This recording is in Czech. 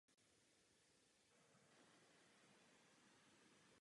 Munice obsahující ochuzený uran má dlouhodobé následky.